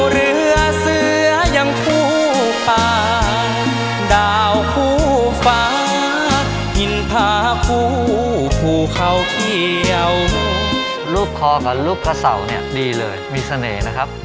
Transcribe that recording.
ลูกคอกับลูกพระเสาเนี่ยดีเลยมีเสน่ห์นะครับ